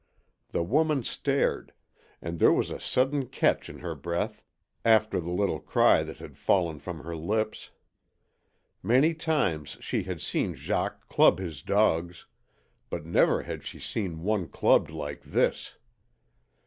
The woman stared, and there was a sudden catch in her breath after the little cry that had fallen from her lips. Many times she had seen Jacques club his dogs, but never had she seen one clubbed like this.